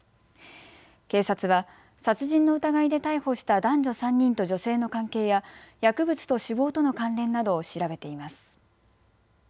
警察は殺人の疑いで逮捕した男女３人と女性の関係や薬物と死亡との関連などを調べています。